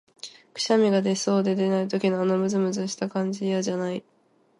くしゃみが出そうで出ない時の、あのむずむずした感じ、嫌じゃない？